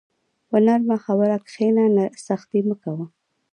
په نرمه خبره کښېنه، سختي مه کوه.